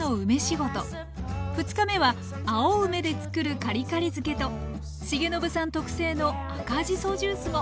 ２日目は青梅で作るカリカリ漬けと重信さん特製の赤じそジュースも。